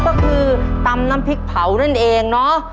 ก็คือตำน้ำพริกเผานั่นเองเนอะ